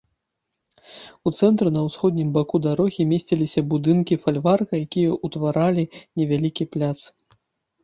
У цэнтры на ўсходнім баку дарогі месціліся будынкі фальварка, якія ўтваралі невялікі пляц.